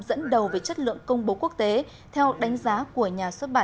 dẫn đầu về chất lượng công bố quốc tế theo đánh giá của nhà xuất bản